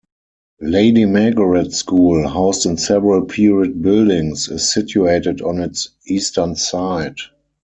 Lady Margaret School, housed in several period buildings, is situated on its eastern side.